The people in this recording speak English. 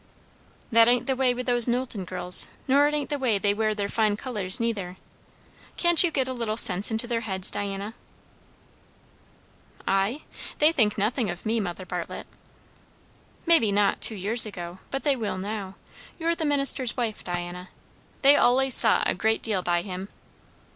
"That ain't the way with those Knowlton girls; nor it ain't the way they wear their fine colours, neither. Can't you get a little sense into their heads, Diana?" "I? They think nothing of me, Mother Bartlett." "Maybe not, two years ago, but they will now. You're the minister's wife, Diana. They allays sot a great deal by him."